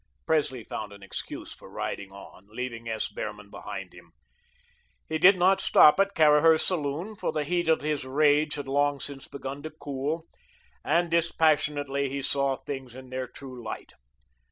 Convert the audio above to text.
Presley found an excuse for riding on, leaving S. Behrman behind him. He did not stop at Caraher's saloon, for the heat of his rage had long since begun to cool, and dispassionately, he saw things in their true light.